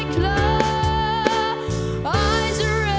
กำลังแสน